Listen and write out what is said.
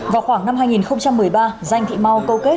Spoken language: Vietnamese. vào khoảng năm hai nghìn một mươi ba danh thị mau câu kết